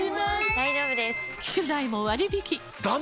大丈夫です！